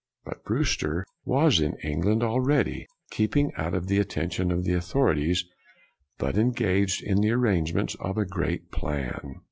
But Brewster was in England al ready, keeping out of the attention of the authorities, but engaged in the arrange ments of a great plan.